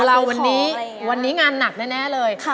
เราวันนี้งานหนักแน่เลย